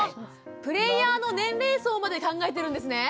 プレーヤーの年齢層まで考えてるんですね？